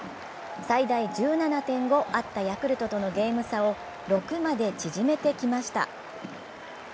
最大１７．５あったヤクルトとのゲーム差を６まで縮めてきました。